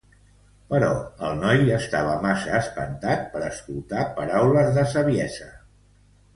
Però el noi estava massa espantat per escoltar paraules de saviesa.